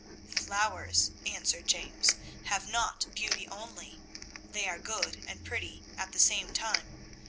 'Flowers,' answered James, 'have not beauty only; they are good and pretty at the same time.